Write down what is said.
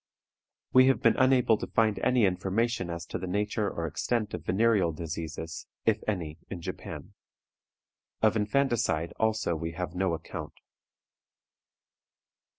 We have been unable to find any information as to the nature or extent of venereal diseases, if any, in Japan. Of infanticide also we have no account.